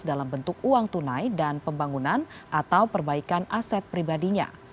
dalam bentuk uang tunai dan pembangunan atau perbaikan aset pribadinya